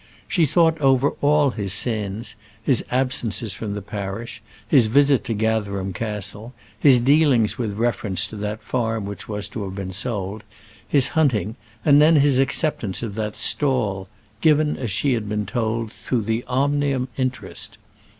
She thought over all his sins, his absences from the parish, his visit to Gatherum Castle, his dealings with reference to that farm which was to have been sold, his hunting, and then his acceptance of that stall, given, as she had been told, through the Omnium interest.